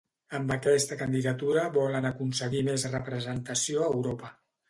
Amb aquesta candidatura volen aconseguir més representació a Europa